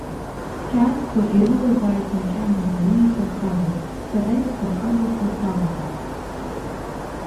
Сқьаадқәа ирылазааит макьана, уаҩы иԥырхагам, сара исԥырхагахо салагар.